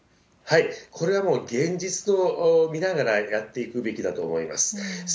これはもう現実を見ながらやっていくべきだと思います。